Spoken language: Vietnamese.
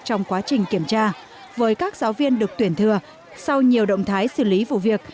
trong quá trình kiểm tra với các giáo viên được tuyển thừa sau nhiều động thái xử lý vụ việc